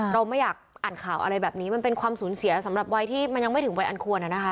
เราไม่อยากอ่านข่าวอะไรแบบนี้มันเป็นความสูญเสียสำหรับวัยที่มันยังไม่ถึงวัยอันควรนะคะ